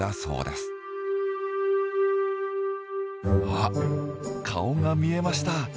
あっ顔が見えました。